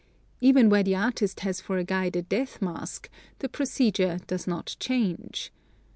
Even where the artist has for a guide a death mask, the procedure does not change.